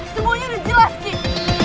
semuanya udah jelas cet